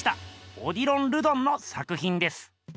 オディロン・ルドンの作ひんです。